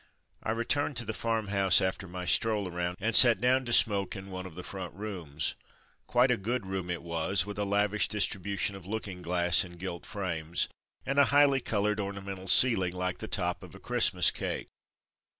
I returned to the farm house after my stroll around, and sat down to smoke in one of the front rooms. Quite a good room it was, with a lavish distribution of looking glass in gilt frames, and a highly coloured ornamental ceiling like the top of a Christ mas cake.